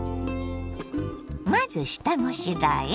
まず下ごしらえ。